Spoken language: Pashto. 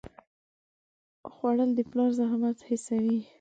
خوړل د پلار زحمت حسوي